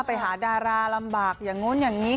ไปหาดาราลำบากอย่างนู้นอย่างนี้